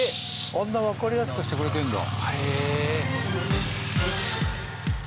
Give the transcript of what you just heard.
あんなわかりやすくしてくれてるんだ。